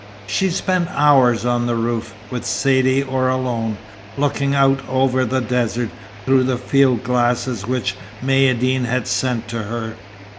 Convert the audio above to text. She spent hours on the roof, with Saidee or alone, looking out over the desert, through the field glasses which Maïeddine had sent to her.